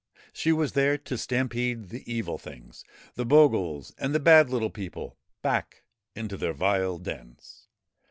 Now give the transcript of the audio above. She was there to stampede the Evil Things the Bogles and the Bad Little People back into their vile dens.